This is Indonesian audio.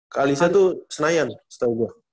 kalisa tuh senayan setahu gue